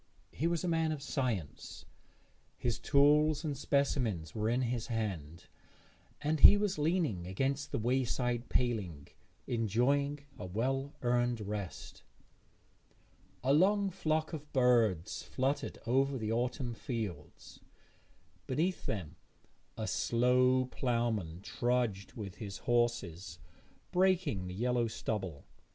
He was a man of science; his tools and specimens were in his hand, and he was leaning against the wayside paling, enjoying a well earned rest. A long flock of birds fluttered over the autumn fields; beneath them a slow ploughman trudged with his horses, breaking the yellow stubble.